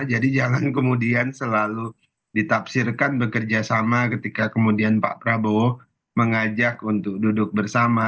jadi jangan kemudian selalu ditafsirkan bekerja sama ketika kemudian pak prabowo mengajak untuk duduk bersama